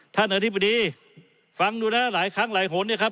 ท่านอธิบดีฟังดูนะหลายครั้งหลายโหนเนี่ยครับ